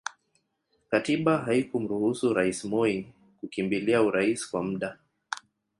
Katiba haikumruhusu Rais Moi kukimbilia urais kwa muda